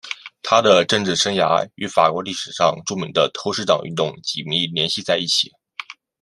他的政治生涯与法国历史上著名的投石党运动紧密联系在一起。